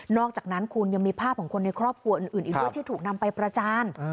อกจากนั้นคุณยังมีภาพของคนในครอบครัวอื่นอีกด้วยที่ถูกนำไปประจาน